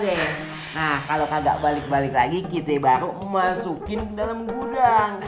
nah kalau kagak balik balik lagi kita baru masukin ke dalam gudang